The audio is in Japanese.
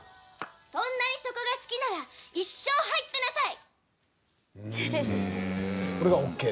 そんなにそこが好きなら一生、入ってなさい！